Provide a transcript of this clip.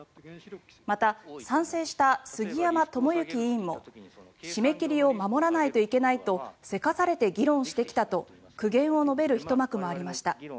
また、賛成した杉山智之委員も締め切りを守らないといけないとせかされて議論してきたと苦言を述べるひと幕もありました。